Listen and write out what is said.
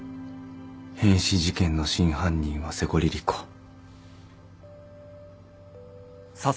「変死事件の真犯人は瀬古凛々子」